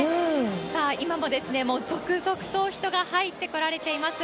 さあ、今ももう続々と人が入ってこられています。